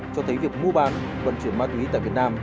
cho thấy việc mua bán vận chuyển ma túy tại việt nam